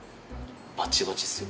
バチバチっすよ。